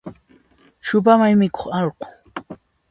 Chupa waymikuq allqu.